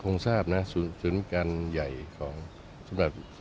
อันหนึ่งมาจากโครงทราบนะสวุนิปการณ์ใหญ่ของสมศัพท์